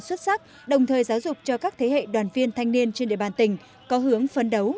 xuất sắc đồng thời giáo dục cho các thế hệ đoàn viên thanh niên trên địa bàn tỉnh có hướng phấn đấu